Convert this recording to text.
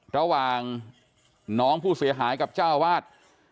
ระหว่างน้องผู้เสียหายกับเจ้าวาด